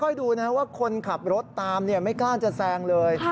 ดูนะว่าคนขับรถตามไม่กล้าจะแซงเลย